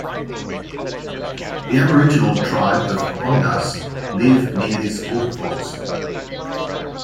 The aboriginal tribe of 'Bondas' live near this waterfalls.